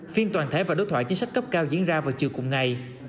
phiên toàn thể và đối thoại chính sách cấp cao diễn ra vào chiều cùng ngày